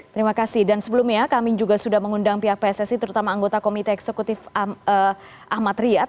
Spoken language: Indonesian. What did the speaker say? terima kasih dan sebelumnya kami juga sudah mengundang pihak pssi terutama anggota komite eksekutif ahmad riyad